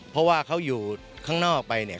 เพราะว่าเขาอยู่ข้างนอกไปเนี่ย